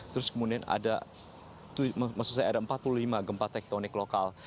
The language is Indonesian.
terus kemudian ada empat puluh lima gempa tektonik lokal